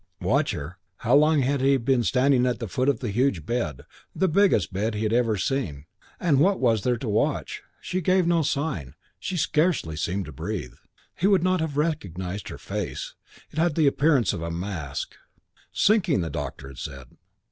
Watch her? How long had he been standing at the foot of the huge bed the biggest bed he had ever seen and what was there to watch? She gave no sign. She scarcely seemed to breathe. He would not have recognised her face. It had the appearance of a mask. "Sinking," the doctor had said.